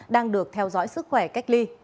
đang được theo dõi sức khỏe cách ly